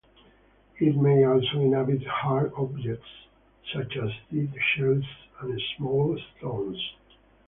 It may also inhabit hard objects such as dead shells and small stones.